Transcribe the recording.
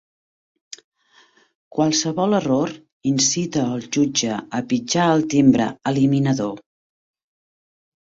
Qualsevol error incita el jutge a pitjar el timbre eliminador.